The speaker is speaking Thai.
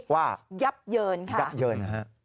ว่ายับเยิน